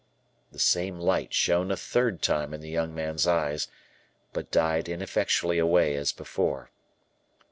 The same light shone a third time in the young man's eyes, but died ineffectually away as before.